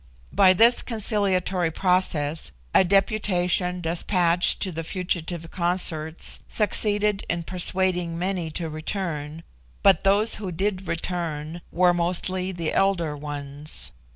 By this conciliatory process, a deputation despatched to the fugitive consorts succeeded in persuading many to return, but those who did return were mostly the elder ones.